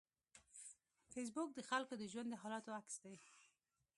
فېسبوک د خلکو د ژوند د حالاتو عکس دی